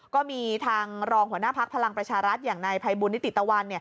ก็มีทางรองหัวหน้าพักพลังประชารัฐอย่างนายภัยบุญนิติตะวัน